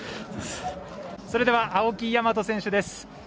それでは青木大和選手です。